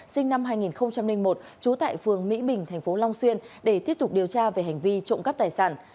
sinh năm hai nghìn một trú tại phường mỹ bình tp long xuyên để tiếp tục điều tra về hành vi trộm cắp tài sản